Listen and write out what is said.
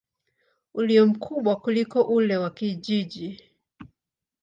ulio mkubwa kuliko ule wa kijiji.